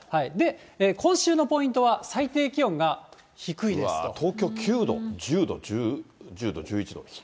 今週のポイントは、最低気温が低東京９度、え１０度、１１度。